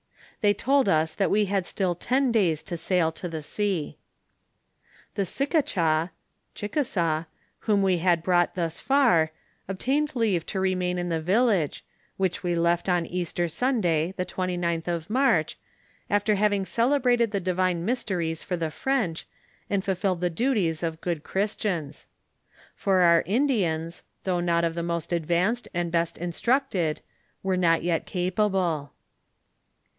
They told us that we had still tea days to sail to the sea. "' The Sicacha (Chickasaw) whom we had brought thus far, obtained leave to remain in the village, which we left on Easter Sunday, the 29th of March, after having celebrated the divine mysteries for the French, and fulfilled the duties of good Christians. For our Indians, though of the most advanced and best instructed, were not yet capable.